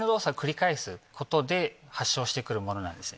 ことで発症して来るものなんですね。